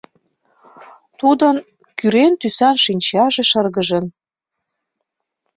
Тудын кӱрен тӱсан шинчаже шыргыжын.